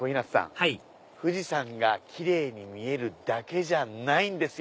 はい富士山がキレイに見えるだけじゃないんですよ